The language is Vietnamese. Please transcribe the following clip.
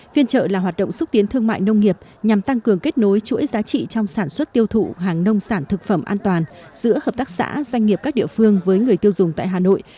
phiên trợ là hoạt động xúc tiến thương mại nông nghiệp nhằm tăng cường kết nối chuỗi giá trị trong sản xuất tiêu thụ hàng nông sản thực phẩm an toàn giữa hợp tác xã doanh nghiệp các địa phương với người tiêu dùng tại hà nội